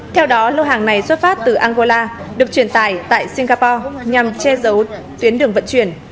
theo đó lô hàng này xuất phát từ angola được truyền tải tại singapore nhằm che giấu tuyến đường vận chuyển